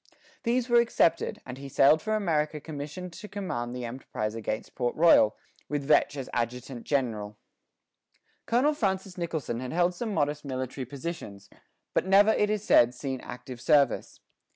These were accepted, and he sailed for America commissioned to command the enterprise against Port Royal, with Vetch as adjutant general. Colonel Francis Nicholson had held some modest military positions, but never, it is said, seen active service.